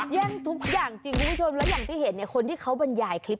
แย้งทุกอย่างอย่างที่เห็นคนที่เขาบรรยายคลิป